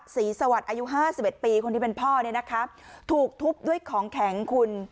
ศรีสวัสดิ์อายุห้าสิบเอ็ดปีคนที่เป็นพ่อเนี่ยนะคะถูกทุบด้วยของแข็งคุณ